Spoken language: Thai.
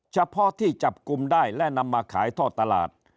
เฉพาะที่จับกลุ่มได้และนำมาขายท่อตลาด